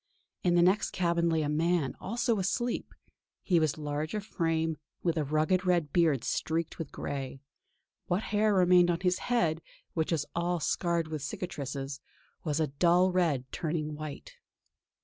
In the next cabin lay a man, also asleep. He was large of frame, with a rugged red beard streaked with grey; what hair remained on his head, which was all scarred with cicatrices, was a dull red turning white.